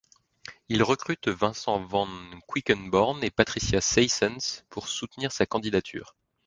Il recrute Vincent Van Quickenborne et Patricia Ceysens pour soutenir sa candidature.